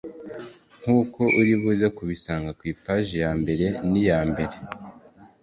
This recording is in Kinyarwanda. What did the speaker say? nk uko uri buze kubisanga ku ipaji ya mbere n iya mbere